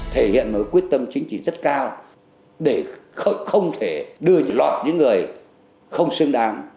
thể hiện một quyết tâm chính trị rất cao để không thể đưa lọt những người không xứng đáng